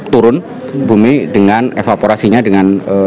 turun bumi dengan evaporasi nya dengan